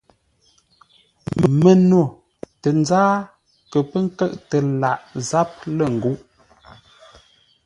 Məno tə nzáa kə pə́ nkə́ʼtə lâʼ záp lə́ ńgúʼ.